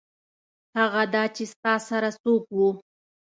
هغه دا چې ستا سره څوک وو.